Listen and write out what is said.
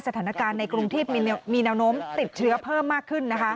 ในกรุงเทพมีแนวโน้มติดเชื้อเพิ่มมากขึ้น